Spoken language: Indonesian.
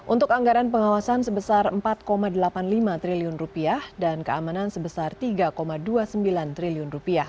untuk anggaran pengawasan sebesar rp empat delapan puluh lima triliun dan keamanan sebesar rp tiga dua puluh sembilan triliun